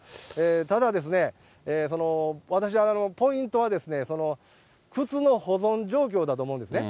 ただ、私、ポイントは靴の保存状況だと思うんですね。